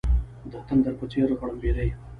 د تندر په څېر غړمبېدی.